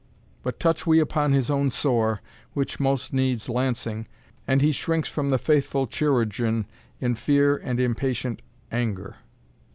But touch we upon his own sore, which most needs lancing, and he shrinks from the faithful chirurgeon in fear and impatient anger!"